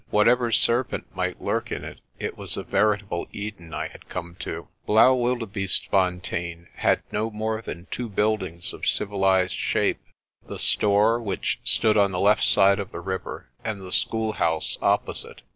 Whatever serpent might lurk in it, it was a veritable Eden I had come to. 42 BLAAUWILDEBEESTEFONTEIN 43 Blaauwildebeestefontein had no more than two buildings of civilized shape ; the store, which stood on the left side of the river, and the schoolhouse opposite.